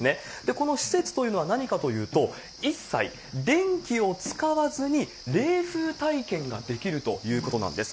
この施設というのは何かというと、一切電気を使わずに冷風体験ができるということなんです。